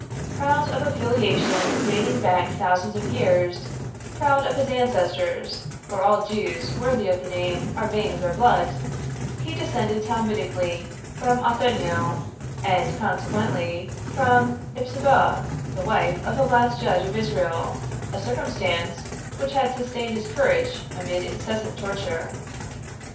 Proud of a filiation dating back thousands of years, proud of his ancestors for all Jews worthy of the name are vain of their blood he descended Talmudically from Othoniel and consequently from Ipsiboa, the wife of the last judge of Israel, a circumstance which had sustained his courage amid incessant torture.